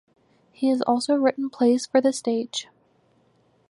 He has also written plays for the stage.